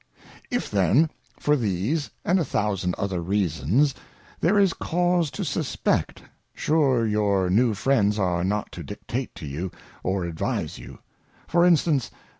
If then for these and a thousand other Reasons, there is cause to suspect, sure your new Friends are not to dictate to you, or advise you ; for instance.